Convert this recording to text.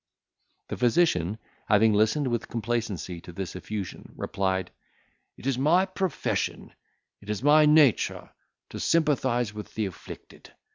The physician, having listened with complacency to this effusion, replied, "It is my profession, it is my nature to sympathise with the afflicted.